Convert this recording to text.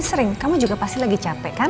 sering kamu juga pasti lagi capek kan